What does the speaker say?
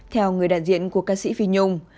theo người đại diện của ca sĩ phi nhung